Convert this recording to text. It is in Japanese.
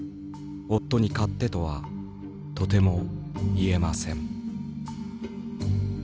夫に買ってとはとても言えません」。